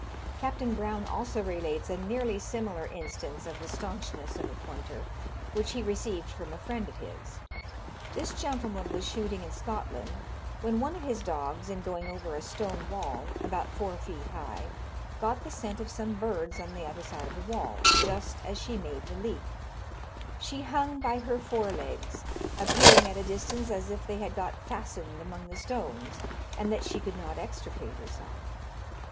Captain Brown also relates a nearly similar instance of the stanchness of a pointer, which he received from a friend of his. This gentleman was shooting in Scotland, when one of his dogs, in going over a stone wall, about four feet high, got the scent of some birds on the other side of the wall, just as she made the leap. She hung by her fore legs, appearing at a distance as if they had got fastened among the stones, and that she could not extricate herself.